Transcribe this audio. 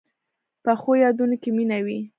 پخو یادونو کې مینه وي